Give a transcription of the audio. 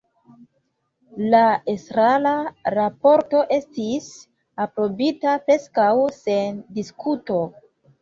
La estrara raporto estis aprobita preskaŭ sen diskuto.